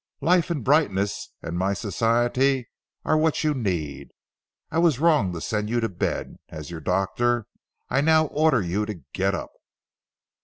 Life and brightness and my society are what you need. I was wrong to send you to bed. As your doctor I now order you to get up."